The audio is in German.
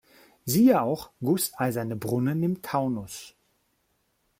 Siehe auch: Gusseiserne Brunnen im Taunus.